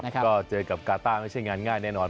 ก็เจอกับกาต้าไม่ใช่งานง่ายแน่นอน